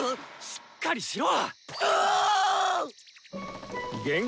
しっかりしろ！